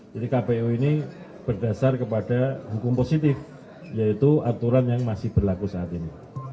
jadi kpu ini berdasar kepada hukum positif yaitu aturan yang masih berlaku saat ini